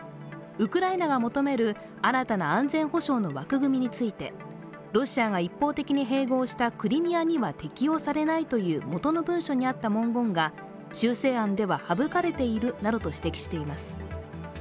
ウクライナが求める新たな安全保障の枠組みについてロシアが一方的に併合したクリミアには適用されないという元の文書にあった文言が修正案では省かれているなどと指摘しています。